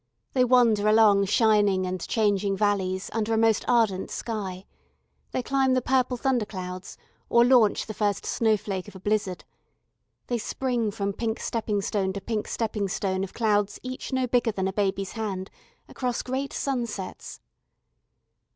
They wander along shining and changing valleys under a most ardent sky; they climb the purple thunderclouds, or launch the first snowflake of a blizzard; they spring from pink stepping stone to pink stepping stone of clouds each no bigger than a baby's hand, across great sunsets.